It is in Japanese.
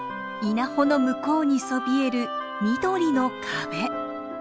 稲穂の向こうにそびえる緑の壁。